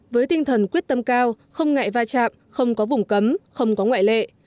với tinh thần quyết tâm cao không ngại va chạm không có vùng cấm không có ngoại lệ